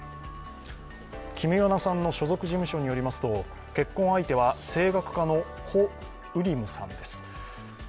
キム・ヨナさんの所属事務所によりますと、結婚相手は声楽家のコ・ウリムさんです。